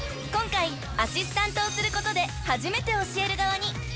［今回アシスタントをすることで初めて教える側に］